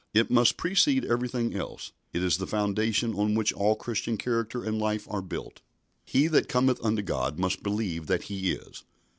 It must precede everything else. It is the foundation on which all Christian character and life are built. "He that cometh unto God must believe that he is."